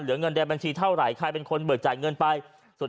เงินในบัญชีเท่าไหร่ใครเป็นคนเบิกจ่ายเงินไปสุด